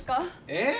えっ？